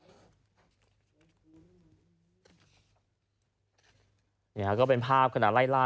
นี่ฮะก็เป็นภาพขณะไล่ล่า